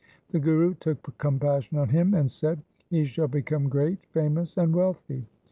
The Guru took compassion on him and said, ' He shall become great, famous, and wealthy.